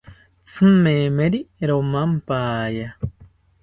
Tzimemeri romampaya